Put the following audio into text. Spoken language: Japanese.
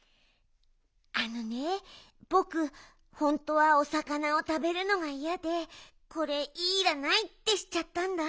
あのねぼくホントはおさかなをたべるのがいやで「これいらない」ってしちゃったんだ。